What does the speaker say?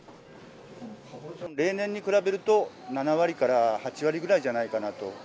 例年に比べると、７割から８割ぐらいじゃないかなと。